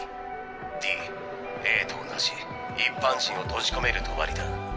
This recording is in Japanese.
ＤＡと同じ一般人を閉じ込める帳だ。